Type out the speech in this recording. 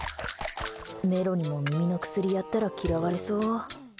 メロにも耳の薬やったら嫌われそう。